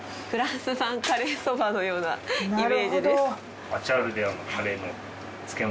フランス産カレー蕎麦のようなイメージです。